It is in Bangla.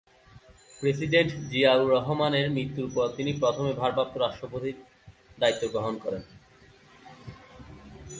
প্রেসিডেন্ট জিয়াউর রহমানের মৃত্যুর পর তিনি প্রথমে ভারপ্রাপ্ত রাষ্ট্রপতির দায়িত্ব গ্রহণ করেন।